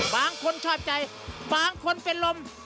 บางคนชอบใจบางคนเป็นลม